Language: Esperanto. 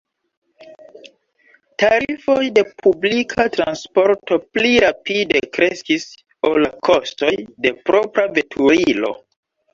Tarifoj de publika transporto pli rapide kreskis ol la kostoj de propra veturilo.